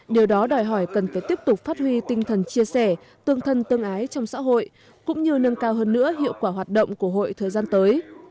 điều đó đòi hỏi cần phải tiếp tục phát huy tinh thần chia sẻ tương thân tương ái trong xã hội cũng như nâng cao hơn nữa hiệu quả hoạt động của hội thời gian tới